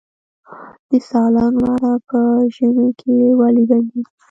د سالنګ لاره په ژمي کې ولې بندیږي؟